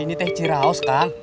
ini teh ciraus kak